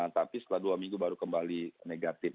tapi setelah dua minggu baru kembali negatif